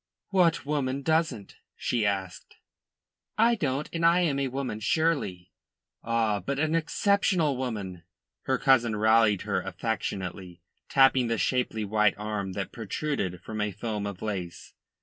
"What woman doesn't?" she asked. "I don't, and I am a woman, surely." "Ah, but an exceptional woman," her cousin rallied her affectionately, tapping the shapely white arm that protruded from a foam of lace.